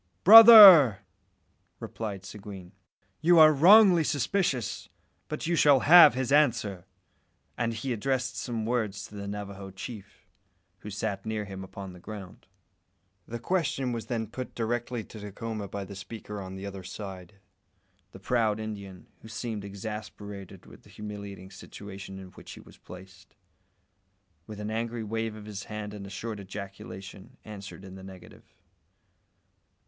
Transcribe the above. "Brother!" replied Seguin, "you are wrongly suspicious, but you shall have his answer," and he addressed some words to the Navajo chief, who sat near him upon the ground. The question was then put directly to Dacoma by the speaker on the other side. The proud Indian, who seemed exasperated with the humiliating situation in which he was placed, with an angry wave of his hand and a short ejaculation, answered in the negative.